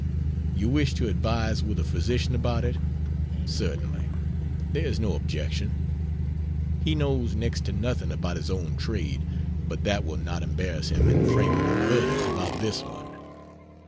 You wish to advise with a physician about it? Certainly. There is no objection. He knows next to something about his own trade, but that will not embarrass him in framing a verdict about this one.